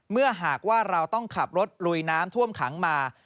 หากว่าเราต้องขับรถลุยน้ำท่วมขังมา